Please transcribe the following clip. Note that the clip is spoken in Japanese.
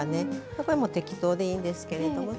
これもう適当でいいんですけれどもちょっと。